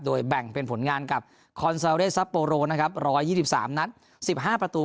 โดยแบ่งเป็นผลงานกับนะครับร้อยยี่สิบสามนัดสิบห้าประตู